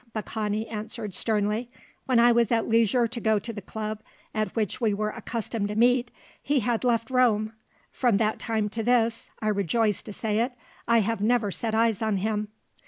Baccani answered sternly. "When I was at leisure to go to the club at which we were accustomed to meet, he had left Rome. From that time to this I rejoice to say it I have never set eyes on him."